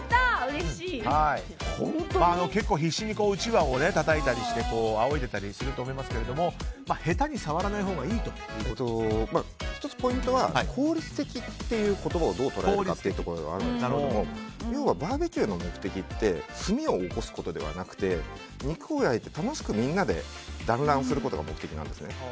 結構、必死にうちわをたたいたりしてあおいでいたりすると思いますが１つポイントは効率的っていう言葉をどう捉えるかということなんですけれども要は、バーベキューの目的って炭をおこすことではなくて肉を焼いて楽しくみんなで団らんすることが目的なんですよね。